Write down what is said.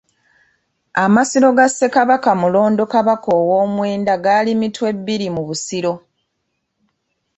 Amasiro ga Ssekabaka Mulondo kabaka owomwenda gali Mitwebiri mu Busiro.